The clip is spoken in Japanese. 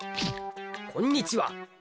こんにちは。